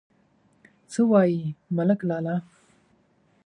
_څه وايي، ملک لالا؟